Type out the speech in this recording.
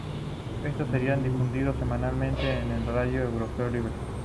Estos serían difundidos semanalmente en la Radio Europa Libre.